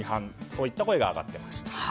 そういった声が上がっていました。